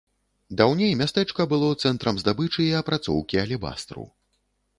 Даўней мястэчка было цэнтрам здабычы і апрацоўкі алебастру.